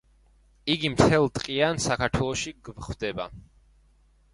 იგი მთელ ტყიან საქართველოში გვხვდება.